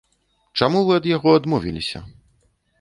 Чаму вы ад яго адмовіліся?